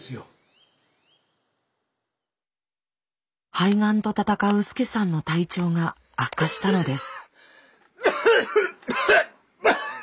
肺がんと闘うスケサンの体調が悪化したのです。